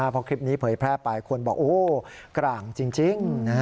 เพราะคลิปนี้เผยแพร่ไปควรบอกกล่างจริง